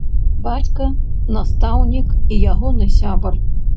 Бацька, настаўнік, і ягоны сябар.